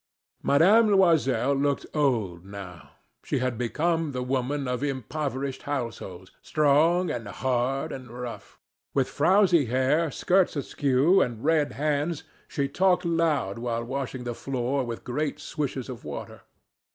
Mme. Loisel looked old now. She had become the woman of impoverished households strong and hard and rough. With frowsy hair, skirts askew, and red hands, she talked loud while washing the floor with great swishes of water.